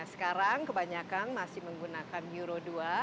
sekarang kebanyakan masih menggunakan euro dua